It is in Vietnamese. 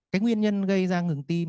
cái nguyên nhân gây ra ngừng tim